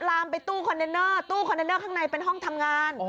ลามไปตู้คอนเทนเนอร์ตู้คอนเทนเนอร์ข้างในเป็นห้องทำงาน